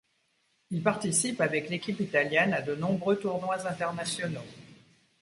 Il participe avec l'équipe italienne à de nombreux tournois internationaux.